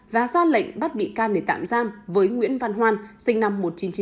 và ra lệnh bắt bị can để tạm giam với nguyễn văn hoan sinh năm một nghìn chín trăm chín mươi